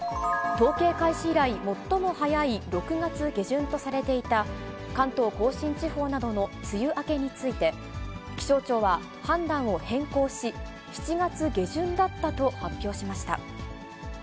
統計開始以来最も早い６月下旬とされていた、関東甲信地方などの梅雨明けについて、気象庁は、判断を変更し、７月下旬だったと発表しました。